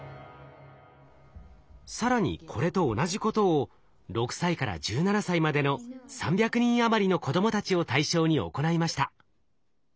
更にこれと同じことを６歳から１７歳までの３００人余りの子供たちを対象に行いました。